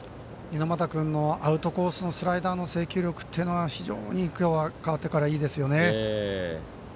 猪俣君のアウトコースのスライダーの制球力というのは非常に今日は代わってからいいですよね。